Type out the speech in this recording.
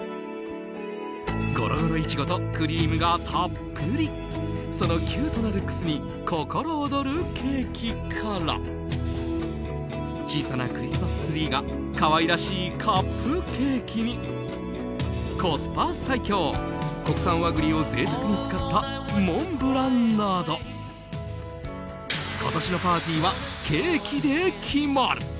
ごろごろイチゴとクリームがたっぷりそのキュートなルックスに心躍るケーキから小さなクリスマスツリーが可愛らしいカップケーキにコスパ最強、国産和栗を贅沢に使ったモンブランなど今年のパーティーはケーキで決まる！